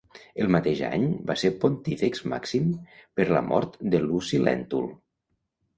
El mateix any va ser Pontífex Màxim per la mort de Luci Lèntul.